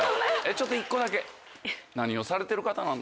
ちょっと１個だけ。